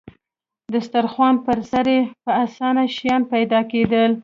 د دسترخوان پر سر يې په اسانۍ شیان پیدا کېدل.